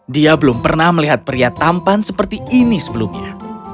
dia belum pernah melihat pria tampan seperti ini sebelumnya